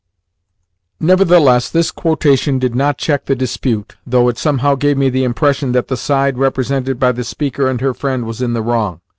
'" Nevertheless this quotation did not check the dispute, though it somehow gave me the impression that the side represented by the speaker and her friend was in the wrong.